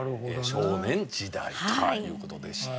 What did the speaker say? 『少年時代』という事でした。